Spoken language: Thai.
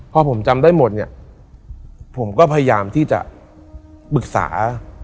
พอผมจำได้หมดเนี่ยผมก็พยายามที่จะปรึกษา